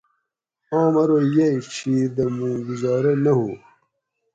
آم ارو یئ ڄھیر دہ مُوں گُزارہ نہ ہُو